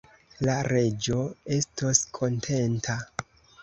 La Reĝo estos kontenta!